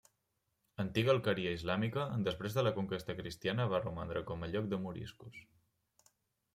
Antiga alqueria islàmica, després de la conquesta cristiana va romandre com a lloc de moriscos.